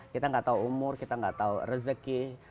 kita nggak tahu umur kita nggak tahu rezeki